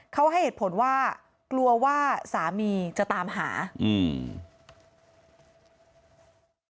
เขาให้เหตุผลว่ากลัวว่าสามีจะตามหาอืม